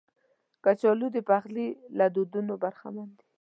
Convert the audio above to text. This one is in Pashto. کچالو د پخلي له دودونو برخمن دي